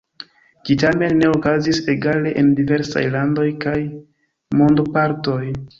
Ĝi tamen ne okazis egale en diversaj landoj kaj mondopartoj.